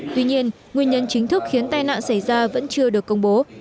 tuy nhiên nguyên nhân chính thức khiến tai nạn xảy ra vẫn chưa được công bố